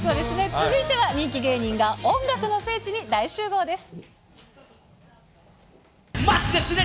続いては人気芸人が音楽の聖地に大集合です。